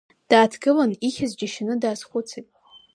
Дааҭгылан, ихьыз џьашьаны даазхәыцит.